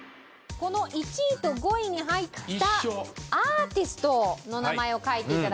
この１位と５位に入ったアーティストの名前を書いて頂きたいんです。